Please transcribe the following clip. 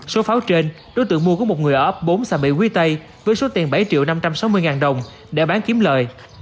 số pháo trên đối tượng mua có một người ở ấp bốn xe mỹ quý tây với số tiền bảy năm trăm sáu mươi đồng để bán kiếm lời